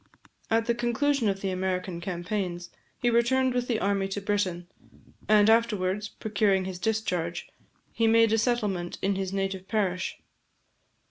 At the conclusion of the American campaigns, he returned with the army to Britain; and afterwards procuring his discharge, he made a settlement in his native parish.